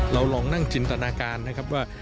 เราลองนั่งจินตนาการนะครับว่า